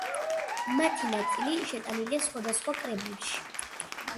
მათი ნაწილი შეტანილია სხვადასხვა კრებულში.